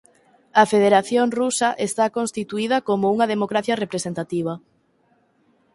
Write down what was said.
A Federación Rusa está constituída como unha democracia representativa.